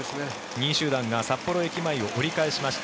２位集団が札幌駅前を折り返しました。